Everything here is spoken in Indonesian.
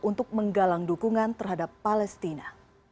untuk menggalang dukungan terhadap palestina